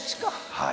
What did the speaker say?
はい。